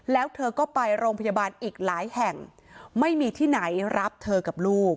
แล้วเธอก็ไปโรงพยาบาลอีกหลายแห่งไม่มีที่ไหนรับเธอกับลูก